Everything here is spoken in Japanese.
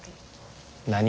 何？